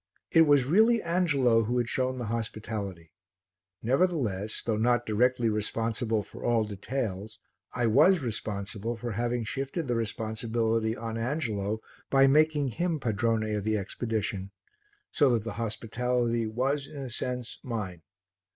It was really Angelo who had shown the hospitality, nevertheless, though not directly responsible for all details, I was responsible for having shifted the responsibility on Angelo by making him padrone of the expedition, so that the hospitality was in a sense mine.